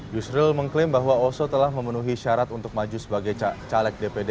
yusril mengklaim bahwa oso telah memenuhi syarat untuk maju sebagai caleg dpd